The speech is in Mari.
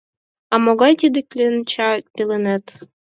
А могай тиде кленча пеленет?